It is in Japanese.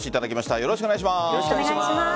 よろしくお願いします。